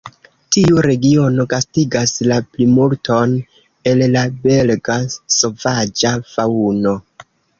Tiu regiono gastigas la plimulton el la belga sovaĝa faŭno.